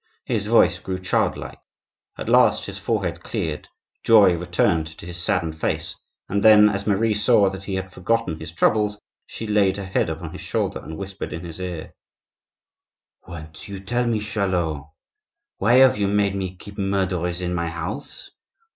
His voice grew child like. At last his forehead cleared, joy returned to his saddened face, and then, as Marie saw that he had forgotten his troubles, she laid her head upon his shoulder and whispered in his ear:— "Won't you tell me, Charlot, why you have made me keep murderers in my house?